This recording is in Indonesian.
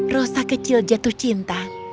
rosa kecil jatuh cinta